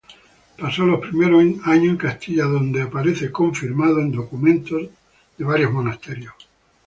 Pasó los primeros años en Castilla donde aparece confirmando documentos en varios monasterios.